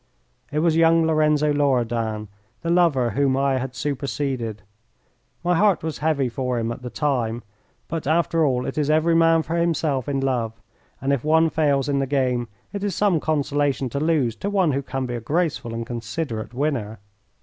It was young Lorenzo Loredan, the lover whom I had superseded. My heart was heavy for him at the time, but after all it is every man for himself in love, and if one fails in the game it is some consolation to lose to one who can be a graceful and considerate winner.